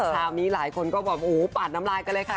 คราวนี้หลายคนบอกว่าอูอูออปางอีกตัวเลยค่ะ